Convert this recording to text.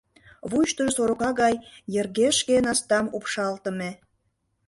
Вуйыштыжо сорока гай йыргешке настам упшалтыме.